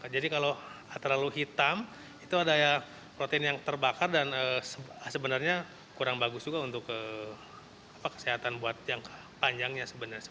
jadi kalau terlalu hitam itu ada protein yang terbakar dan sebenarnya kurang bagus juga untuk kesehatan buat yang panjangnya